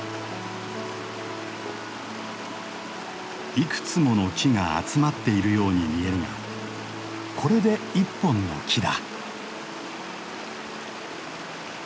いくつもの木が集まっているように見えるがこれで一本の木だ。